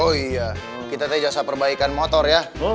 oh iya kita tadi jasa perbaikan motor ya